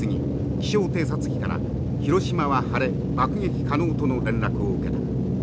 気象偵察機から広島は晴れ爆撃可能との連絡を受けた。